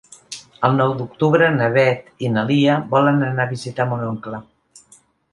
El nou d'octubre na Beth i na Lia volen anar a visitar mon oncle.